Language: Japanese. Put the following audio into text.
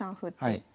はい。